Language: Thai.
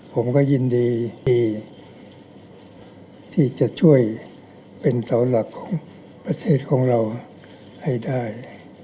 ผมก็ยินดีที่จะช่วยเป็นเสาหลักของประเทศของเราให้ได้